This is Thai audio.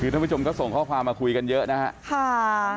ท่านผู้ชมก็ส่งข้อความมาคุยกันเยอะนะครับ